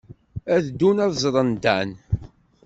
Ad ddun ad ẓren Dan.